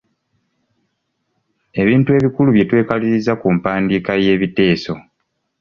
Ebintu ebikulu bye twekaliriza ku mpandiika y'ebiteeso.